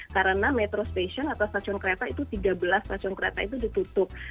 karena metro station atau stasiun kereta itu tiga belas stasiun kereta itu ditutup